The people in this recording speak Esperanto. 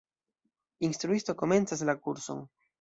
Instruisto komencas la kurson.